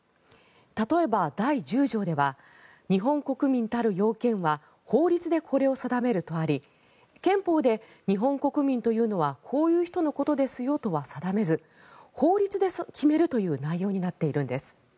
例えば、第１０条では「日本国民たる要件は法律でこれを定める」とあり憲法で日本国民というのはこういう人のことですよというのは定めず法律で決めるという内容になっているんです。